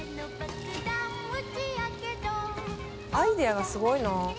淵Εぅアイデアがすごいな。